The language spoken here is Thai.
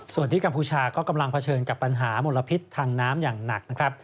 ส่วนที่กัมพูชาก็กำลังเผชิญกับปัญหามลพิษทางน้ำอย่างหนักนะครับ